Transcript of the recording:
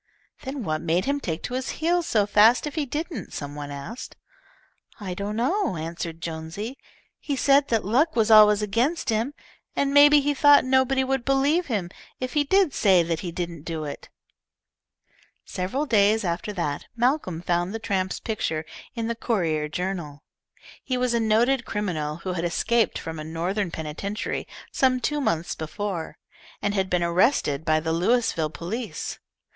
"Then what made him take to his heels so fast if he didn't?" some one asked. "I don't know," answered Jonesy. "He said that luck was always against him, and maybe he thought nobody would believe him if he did say that he didn't do it." Several days after that Malcolm found the tramp's picture in the Courier Journal. He was a noted criminal who had escaped from a Northern penitentiary some two months before, and had been arrested by the Louisville police.